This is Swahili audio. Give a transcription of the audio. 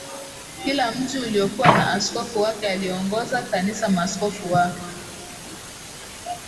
Kila mji ulikuwa na askofu wake aliyeongoza kanisa Maaskofu wa